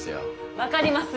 分かります